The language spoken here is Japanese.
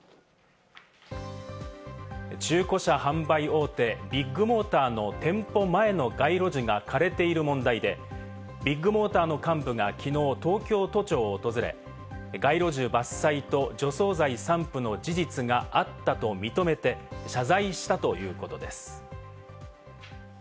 中古車販売大手・ビッグモーターの店舗前の街路樹が枯れている問題で、ビッグモーターの幹部がきのう東京都庁を訪れ、街路樹伐採と除草剤散布の事実があったと認めて謝罪したということです。